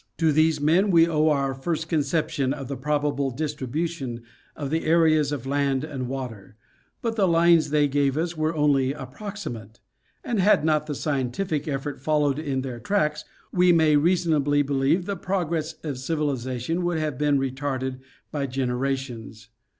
To these men we owe our first conception of the probable dis tribution of the areas of land and water, but the lines they gave us were only approximate ; and had not scientific effort followed in their tracks we may reasonably believe the progress of civiliza tion would have been retarded by generations.